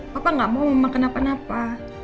papa gak mau makan apa apa